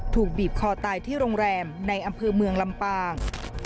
ถูกบีบคอตายที่โรงแรมในอำเภอเมืองลำปาง